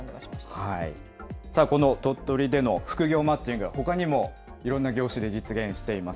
さあ、この鳥取での副業マッチングは、ほかにもいろんな業種で実現しています。